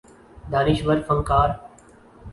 دانشور فنکار